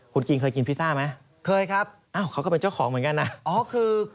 คุณกินเคยกินพิซซ่าไหมอ้าวเขาก็เป็นเจ้าของเหมือนกันนะนะครับ